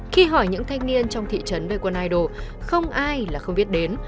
khi hỏi những thanh niên trong thị trấn về quân idol không ai là không biết đến